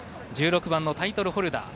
１６番のタイトルホルダー。